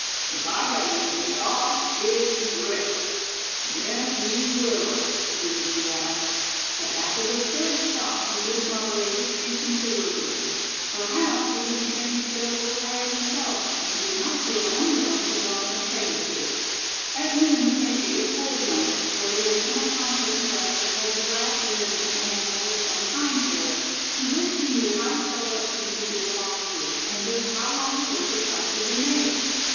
If I've got anything at all, it's grit." "Yes, you will," sneered Giraffe; but after the third stop he did moderate his speed considerably; perhaps he was beginning to get a little tired himself, and did not feel unwilling to draw in a peg or two. At noon they ate a cold lunch, for they had come upon certain tracks that told Giraffe there had been an animal of some kind there he wished he knew how to tell what species it belonged to, and just how long ago the tracks had been made.